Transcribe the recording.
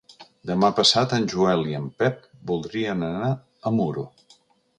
Demà passat en Joel i en Pep voldrien anar a Muro.